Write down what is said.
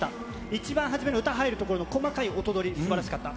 一番初めの歌入るところの、細かい音取り、すばらしかった。